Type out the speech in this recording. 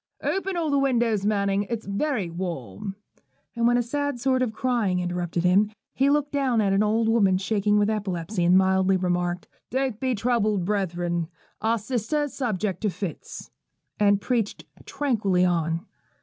'Open all the windows, Manning: it's very warm.' And when a sad sort of cry interrupted him, he looked down at an old woman shaking with epilepsy, and mildly remarked, 'Don't be troubled, brethren: our sister is subject to fits,' and preached tranquilly on.